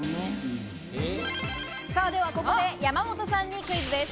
ではここで山本さんにクイズです。